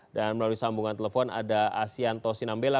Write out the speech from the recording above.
dan melalui sambungan telepon ada asianto sinambela